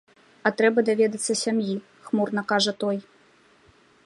— А трэба даведацца сям'і, — хмурна кажа той.